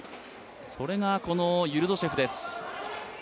それが、このユルドシェフです。